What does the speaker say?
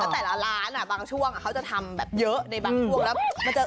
แต่ละร้านบางช่วงเขาจะทำแบบเยอะในบางช่วงแล้ว